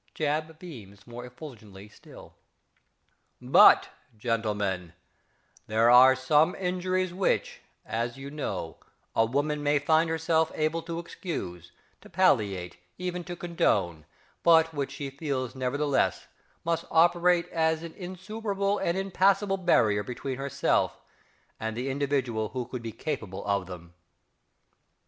(~JAB.~ beams more effulgently still.) But, gentlemen, there are some injuries which, as you know, a woman may find herself able to excuse, to palliate, even to condone; but which she feels nevertheless must operate as an insuperable and impassable barrier between herself and the individual who could be capable of them!